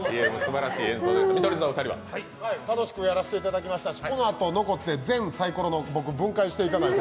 楽しくやらせていただきましたし、僕、このあと残って全サイコロの分解しないと。